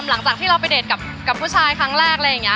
หลังจากที่เราไปเดทกับผู้ชายครั้งแรกอะไรอย่างนี้